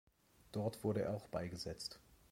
Dort wurde er auch beigesetzt.